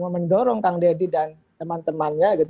mendorong kang didi dan teman temannya gitu